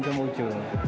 cho môi trường